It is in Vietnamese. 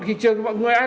thì trường mọi người